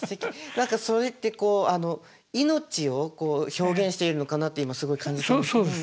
何かそれって命を表現しているのかなって今すごい感じたんですけど。